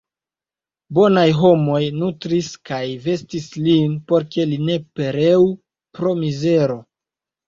Bonaj homoj nutris kaj vestis lin, por ke li ne pereu pro mizero.